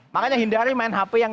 makanya hindari main hp yang